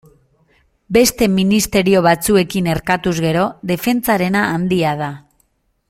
Beste ministerio batzuekin erkatuz gero, defentsarena handia da.